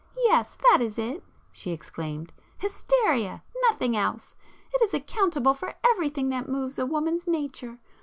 "Yes, that is it!" she exclaimed—"Hysteria!—nothing else! It is accountable for everything that moves a woman's nature.